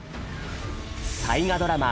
大河ドラマ